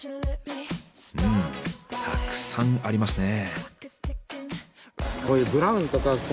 うんたくさんありますね。